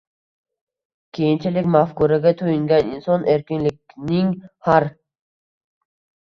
keyinchalik mafkuraga to‘yingan inson erkinlikning har